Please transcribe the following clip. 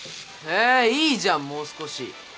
えいいじゃんもう少し。